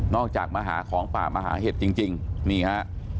จากมาหาของป่ามาหาเห็ดจริงนี่ฮะ